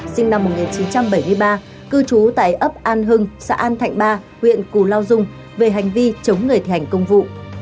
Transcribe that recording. sinh năm một nghìn chín trăm bảy mươi ba cư trú tại ấp an hưng xã an thạnh ba huyện cù lao dung về hành vi chống người thi hành công vụ